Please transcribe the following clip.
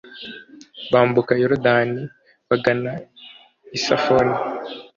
bambuka yorudani, bagana i safoni